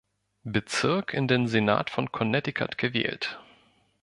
Bezirk in den Senat von Connecticut gewählt.